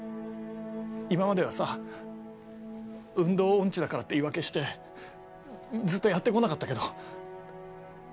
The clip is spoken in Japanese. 今まではさ運動音痴だからって言い訳してずっとやって来なかったけど。